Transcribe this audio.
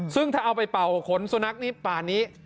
ซึ่งถ้าเอาไปเป่าขนสุนัขนี้ป่านี้